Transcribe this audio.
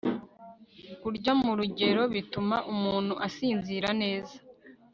kurya mu rugero, bituma umuntu asinzira neza